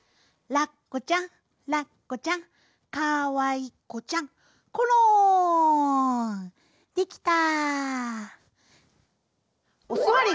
「ラッコちゃんラッコちゃんかわいこちゃんころん」できた。